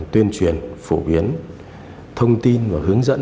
tuyên truyền phổ biến thông tin và hướng dẫn